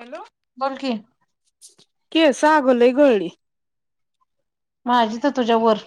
Hello. बोल की केसं आग लय गळली. माझी तर तुझ्या वर.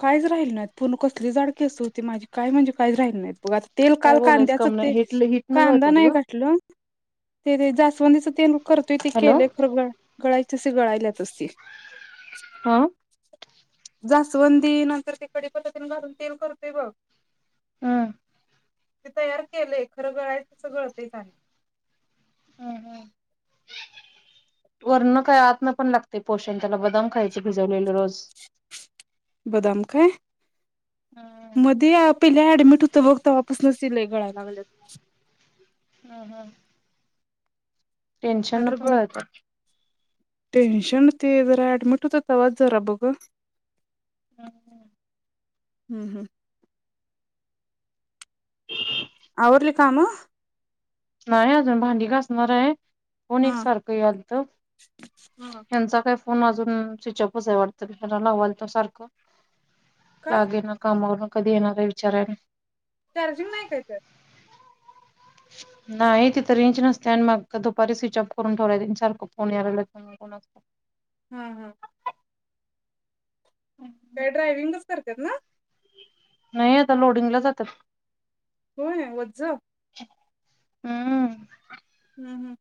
काहीच राहिल नाहीत, पूर्ण कसली जाड केस होती माझी. काय म्हणजे काहीच राहिलं नाहीत बघ आता. तेल काय काल बोलायच कांद्याच काम नाही ते हिट हिटन कांदा गळतात नाही ग घाटलो, ते ते जास्व स्वंदिच तेल, करतोय ती हॅलो केलय. [unintelligible] तसे गळायल्यातच ती हा जास्- वंदी नंतर ते कडीपत्ता तेन घालून तेल करतोय बघ. हं ते तयार केलय खरं, गळायच तसं गळतयच आणि वरण काय आतन पण लागतय पोषण तेला बदाम खायचे भिजवलेले रोज. बदाम काय, मध्ये पिल्या ऍडमिट हो त बघ तवा पसनच लय गळायला लागल्यात. ह - ह. टेन्शन न नाहीतर पण गळ गळतात. टेन्शन ते जरा ऍडमिट होत, तवाच जरा बघ. हम् हम् हम् हम् आवरली कामं नाही अजून भांडी घासणार आहे. फोन हा एकसारखं यालतं हेंचा काय? फोन अजून स्विचाॅपच आहे वाटतं ला लावालत सारखं काय लागेना कामावरून कधी येणार आहे विचारायला? चार्जिंग नाही काय? त्यात नाही तिथ रेंज नसत्या आणि मग दुपारी स्विच ऑफ करून ठेवलाय तेनी सारखं फोन याय लागल्यात म्हणून कोणाच? हा हा काय ड्रायविंगच करत्यात ना नाही आता लोडिंगला जात्यात होय ओझं हम्म [inaudible] हं हं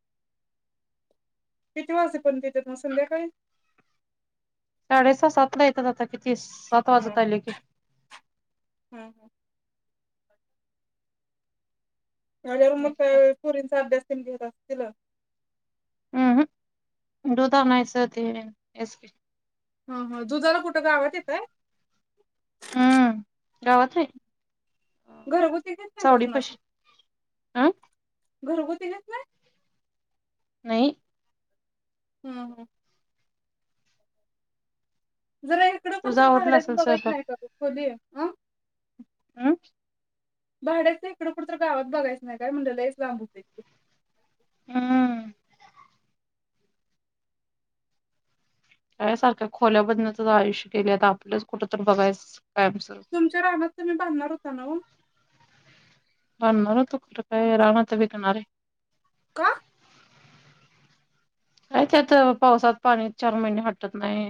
किती वाजे पर्यंत येत्यात म संध्याकाळी? साडे सहा सात ला येतात आता कि ती सात हा वाजत आले की हा हा [unintelligible] मग पोरींचा अभ्यास तेन घेत असेल तिला हम्म हम् दुध आणायचं हेच की हा हा दुधाला कुठं गावात येताय हम्म गावात नाही घरगुतीच घेत नाही काय कुणाच अं घरगुती नेत नाही नाही हम्म हम्म जरा इकडं पण तुझा च आवरला भाड्याचं असेल बघायच नाही का ग खोली अ अम भाड्याच इकडं कुठ तर गावात बघायचं नाही काय म्हंडल लईच लांब हम्म.. का सारख्या खोल्या बदण्याचं आयुष्य केले आपलंच कुठं तर बघायस तुमच्या रानातत तुम्ही बांधणार होता नव्ह बांधणार होतो कुठ? काय? रान आता विकणार आहे का? नाही त्यात पावसात पाणी चार महिने हटत नाही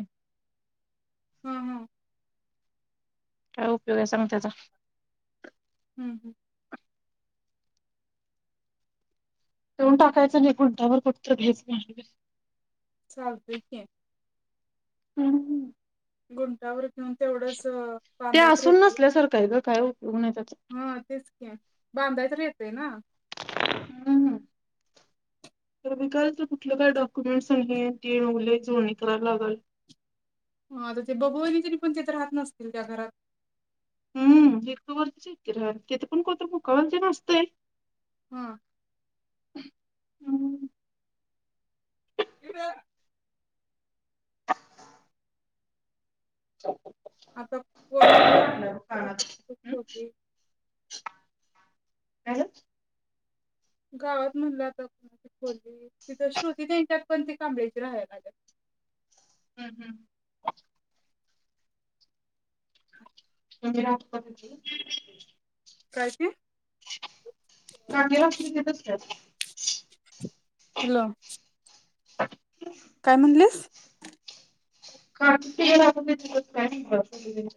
हम्म हम्म काय उपयोग आहे सांग त्याचा हम्म हम्म देऊन टाकायचं आणि गुंठाबर कुठतरी घ्यायच चालतय की हम्म हम् गुंठावर म्हन तेवढंच ते बांधाय तर असून येतल नसल्यासारखं आहे ग काय? उप हा तेच की बांधायच येत आहे ना [unintelligible] हम्म हम्म तर विकायला तर कुठलं? काय? डॉक्युमेंट्स आणि हे आणि ते लय जुळणी कराला लागलाय हा तर ते बघूवयनी तरी पण तेथ राहत नसतील त्या घरात हम् वट वरतीच हायत राहायलि तिथे पण कोत मुक्कामला तेण असतय हा हम्म इथ चालतंय आता कोण आपल्या [unintelligible] हॅलो गावात म्हणलं आता कोणा त खाली तिथं श्रुती त्यांच्यात पण ती कांबळ्यांची राहायला लागेल हम्म हम्म [unintelligible] काय ते [inaudible] काकी रात्री तिथंच काय [inaudible] हॅलो [inaudible] [inaudible] काय म्हणलीस? काकीला फोन [unintelligible] केलतीस काय म्हटलं?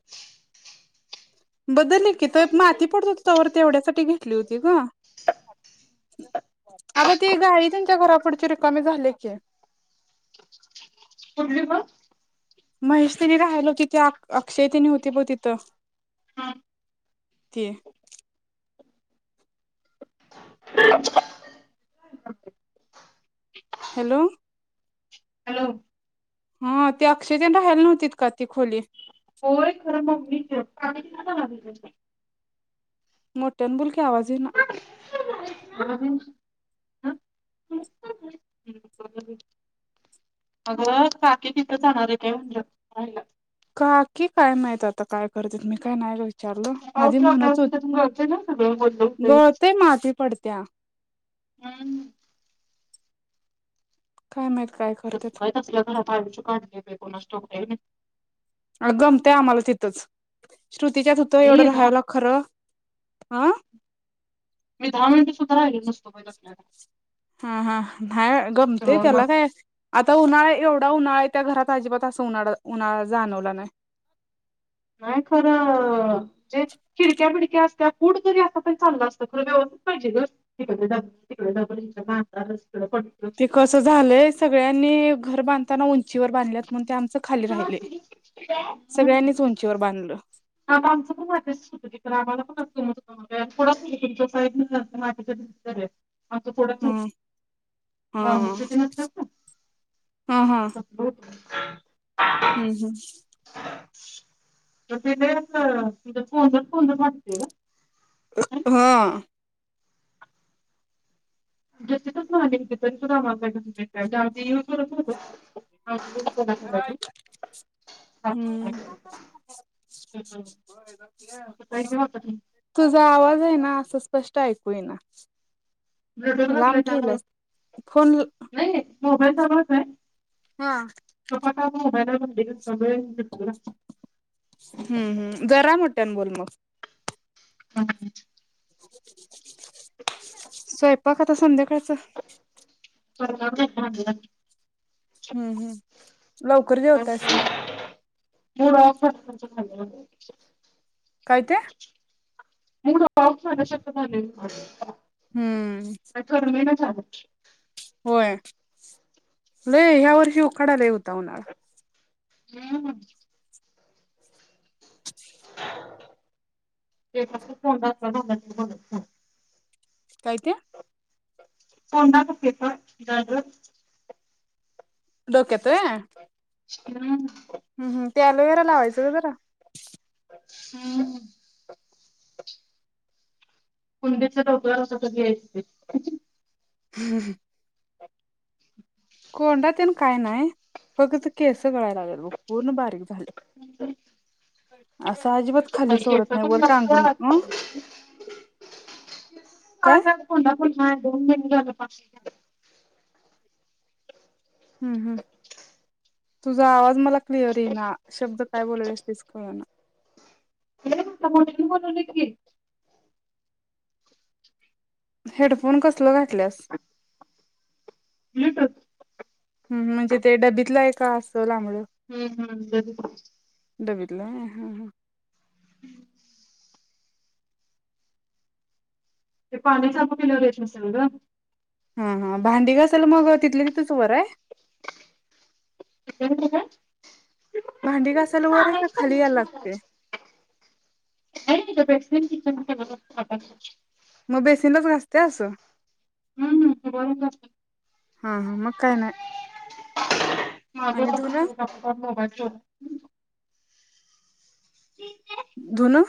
बदली की त्यात माती पडत होती तोवर तेवढ्यासाठी घेतली होती गं आता ते गाळे त्यांच्या घरापुढचे रिकामे झाले की ते कुठली मग? महेश तेनी राहायला होती ती अक-अक्षय तेनी होती बघ तिथं ते [inaudible] हॅलो हॅलो हा ते अक्षय तेन राहायला नव्हतीत का? ती खोली होय खर मग मी त्या पाण्याच्या किती जवळ आलोय गं मोट्यान बोल की आवाज येईना. [unintelligible] [unintelligible] अग काकी तिथं जाणार हाय काय म्हणलं आईला काकी काय माहित आता काय करतेत मी काय नाही गं वि विचारलं माझी पाऊस म्हणत लागल्यावर तिथून गळतंय ना सगळं वल्ल होती [unintelligible] होतंय. गळतय माती पडतिया हम्म. काय माहित? काय कसं? करत्यात काय तसल्या घरात? पाणीच पाणी येतय कोणास ठाऊक बाहेरनच अ गमतय आम्हाला तिथंच श्रुतीच्यात एवढं मी दहा राहायला खरं हा राहिल नसतोहि आपल्याला हा हा नाही गमते सरळ मा त्याला काय आता उन्हाळा एवढा उन्हाळा हाय त्या घरात अजिबात असं उनाडा उनाळा जाणवला नाही. नाही खरं जे खिडक्या बिडक्या असत कुठ तरी असता प चाललं असतं खर व्यवस्थित पाहिजे तिकडे तिकडेतारच ते कसं झालंय सगळ्यांनी घर बांधताना उंचीवर बांधल्यात म्हणून ते आम सगळ्यांनीच उंचीवर बांधलं आता आमचं पण मच होतं तिक आम्हाला पण [inaudible] आ ते कुडाचं हम्म [unintelligible] हा बांबूच तेन नसत्यात हा हा का [unintelligible] हम्म- हम्म. ह त तिथं फ मतला हा [unintelligible] करायचं [unintelligible] हम् असं काही हे होतं तुझा आवाज आहे ना असच स्पष्ट ऐकू येईना. नाही ब्लूटूथ लांब घातलाय त्यामुळं ठेवलास, फोन ल नाही मोबाईल [unintelligible] [unintelligible] [unintelligible] हम्म हम्म जरा मो ठ्यान बोल मग. [unintelligible] [unintelligible] स्वयपाक आता संध्याकाळच. [unintelligible] हं हं. लवकर जेवतायसा? [inaudible] काय ते मूड हम्म [unintelligible] [inaudible] झाल. होय, लय ह्या वर्षी उखाडा होता उन्हाळा [unintelligible] केसातील कोंडा आत्ता [unintelligible] काय ते [inaudible] डोक्यात हाय हम्म हूं हूं ते अलोवेरा लावायचं ग जरा हूं कुंडीच्या डोक्यावर अस घ्यायच ते [inaudible] कोंडात तेन काय नाही फगत केस तं गळायला लागल्यात बघ पूर्ण बारीक झालत. ते. केस पण [unintelligible] अ काय अन त्यात कोंडा पण हा दोन महिने झाल [unintelligible] हूं हूं तुझा आवाज मला क्लिअर ये ना शब्द काय बोलायलिस तेच कळना. व्हय म्हंटल [unintelligible] बोलवलय की हेडफोन कसल घाटल्यास लिटच हूं म्हणजे ते डबीतल एक का आसला हु हु [inaudible] बघितलाय हा हा [inaudible] ते पाण्याच अपॉप केल्यावर येत नसल गं हा हा भांडी घासायला मग तिथल्या तिथच वर हाय [unintelligible] भांडी घासायला वर हाय का खाली याला लागतंय [inaudible] म बेसीनलाच घासतीयास हा हम्म हा मग काय नाय माझ बाबा [unintelligible] मोबाईल [inaudible] [inaudible] धुणं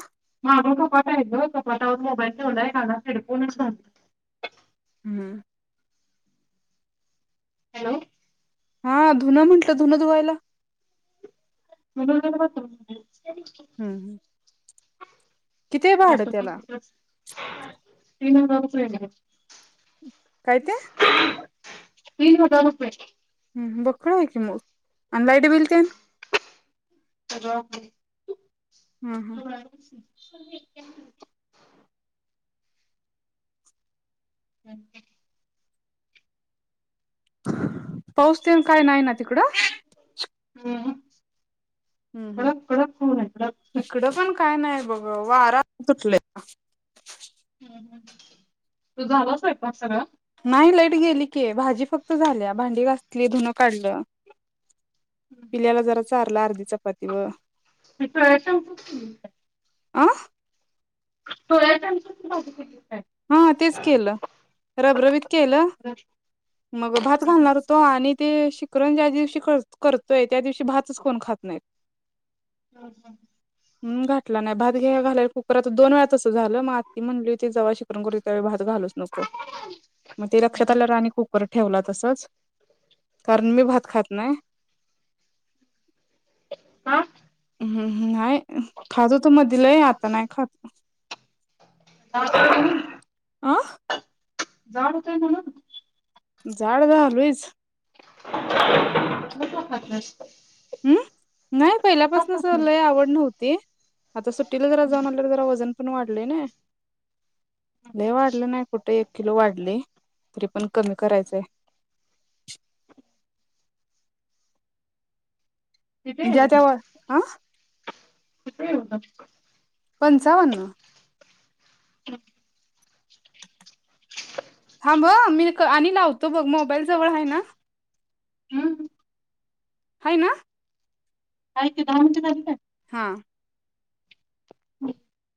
माग कपाट हायं गं कपाटावंर मोबाईल ठेवलाय कानात हेडफोनच घातलेत हूं हॅलो हा धुनं म्हंटल धुनं धुवायला धुणं तर बाथरूमध्येच [inaudible] कितीय भाड त्याला तीन हजार रुपये येणारेत काय? ते तीन हजार रुपये हम् हम बक्कळ हायं कि मग आणि लाईट बिल ते सगळं हम्म हम्म आपणच [unintelligible] [unintelligible] हम् हम ह पाऊस तेन काय नाय ना तिकडं? हम्म हम्म हम् कडक कडक खून आहे कडक. [unintelligible] बघ वारा आता सुटलंया [unintelligible] तुझं झाला स्वयंपाक सगळा नाय लाईट गेली कि भाजी फक्त झालिया भांडी घासली धुन काढलं पिल्याला जरा चारल अर्धी चपाती वं सोया चंक्सच आ थोड्या टाइम साठी भाजी केलिया हा तेच केलं रब रबीत केलं काय? मग भात घालणार तो आणि ते श पूरण ज्या दिवशी कर करतोय त्या दिवशी भातच कोण खात नाहीत [inaudible] घातला नाही भात घ्या घालायला कुकरात तर दोन वेळा अस झालं म आत्ती म्हणली होती जव्हा श गुरी त्यां वेळी भात घालूस नको मग ते लक्षात आल्यावर आणी कुकर ठेवला तसच कारण मी भात खात नाही नाहीय खातो तो मधी लई आता नाही खात [unintelligible] आ.. जाड होतय म्हणून जाड झालयोच [inaudible] मग का खात नाही स अं नाही पहिल्यापासनच खात लय नाहीस. आवड नव्हती आता सुट्टीला जरा जाऊन आलंल जरा वजन वाढलय ना लई वाढलं नाही कुठे एक किलो वाढल तरी पण कमी करायचंय किती आहे गं? [unintelligible] आ.. [unintelligible] पंचावन्न [unintelligible] मं मी क आणि लावतो बघ मोबाईल जवळ आहे ना. हम् हाय ना [unintelligible] हा हम